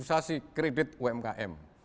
kita lakukan restructuring kredit umkm